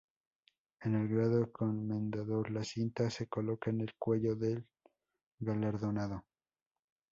En el grado Comendador la cinta se coloca en el cuello del galardonado.